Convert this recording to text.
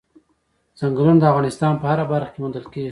ځنګلونه د افغانستان په هره برخه کې موندل کېږي.